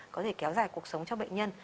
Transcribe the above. có thể kéo dài cuộc sống cho bệnh nhân